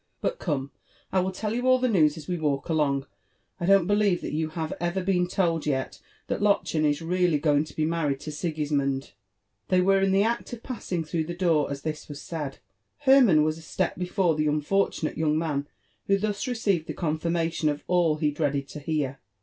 But come, I will tell you all the news as we walk along.*— I don't be lieve that you have ever been told yet that Lotlchen is really going Co be married to Siglsmond." Tliey were in the act of passing through the door as this was said : Hermann was a step before the unfortunate young man who thus r^« celved the confirmation of all he dreaded to hear.